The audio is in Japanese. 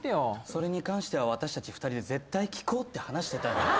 それに関しては私たち２人で絶対聞こうって話してたの。